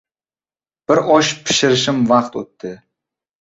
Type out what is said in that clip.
Bir osh pishirim vaqt o‘tdi.